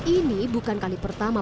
ini bukan kali pertama